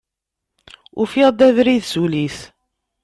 Ufiɣ-d abrid s ul-is.